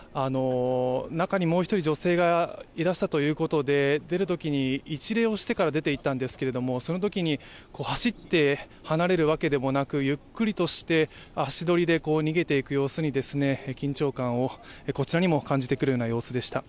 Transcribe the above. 中にもう一人女性がいらしたということで出るときに一礼をしてから出ていったんですけれども、そのときに走って離れるわけでもなく、ゆっくりとした足取りで逃げていく様子に緊張感をこちらにも感じてくるような様子でした。